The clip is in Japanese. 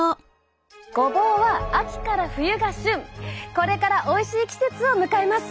これからおいしい季節を迎えます。